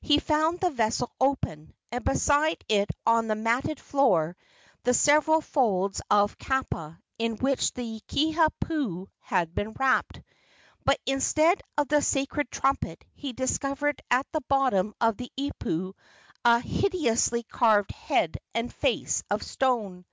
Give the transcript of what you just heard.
He found the vessel open, and beside it on the matted floor the several folds of kapa in which the Kiha pu had been wrapped; but instead of the sacred trumpet he discovered at the bottom of the ipu a hideously carved head and face of stone.